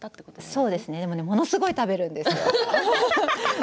そうですね、でもものすごい食べるんです。